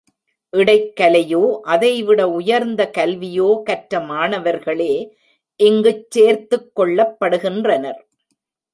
இடைக்கலையோ, அதைவிட உயர்ந்த கல்வியோ கற்ற மாணவர்களே இங்குச் சேர்த்துக் கொள்ளப்படுகின்றனர்.